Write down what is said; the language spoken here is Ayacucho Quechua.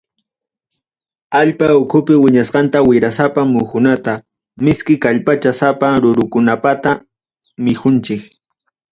Allpa ukupi wiñasqanta wirasapa muhunata, miski kallpasachasapa rurukunapata mikunchik.